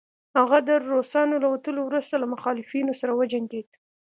هغه د روسانو له وتلو وروسته له مخالفينو سره وجنګيد